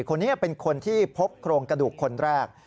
คนนี้เป็นคนที่พบโครงกระดูกคนแรก